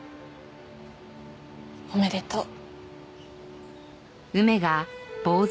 おめでとう。